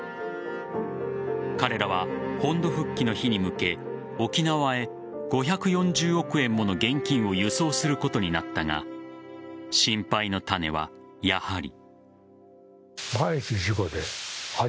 彼らは、本土復帰の日に向け沖縄へ、５４０億円もの現金を輸送することになったが心配の種は、やはり。